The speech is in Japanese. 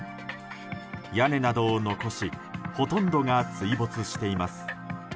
屋根などを残しほとんどが水没しています。